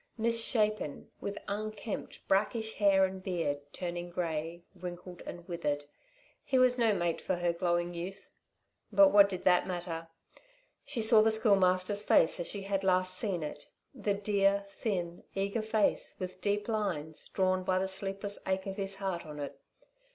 Misshapen, with unkempt, brakish hair and beard, turning grey, wrinkled and withered, he was no mate for her glowing youth! But what did that matter? She saw the Schoolmaster's face as she had last seen it the dear, thin, eager face with deep lines, drawn by the sleepless ache of his heart, on it.